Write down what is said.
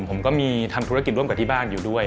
ผมก็มีทำธุรกิจร่วมกับที่บ้านอยู่ด้วย